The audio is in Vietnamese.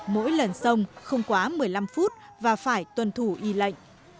mỗi lần sông không quá một mươi năm phút và phải tuân thủ y lệnh